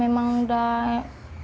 ya gimana saya tidak bisa berpindah pindah